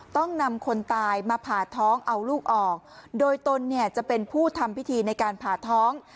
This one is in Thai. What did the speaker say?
ต้องนำคนตายมาผ่าท้องเอาลูกออกโดยตนเนี่ยจะเป็นผู้ทำพิธีในการผ่าท้อง